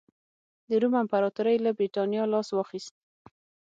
د روم امپراتورۍ له برېټانیا لاس واخیست